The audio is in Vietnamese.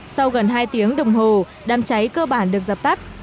sau gần hai tiếng đồng hồ đám cháy cơ bản được dập tắt